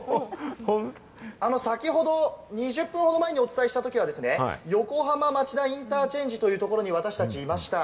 先ほど２０分ほど前にお伝えした時はですね、横浜町田インターチェンジというところに私たち、いました。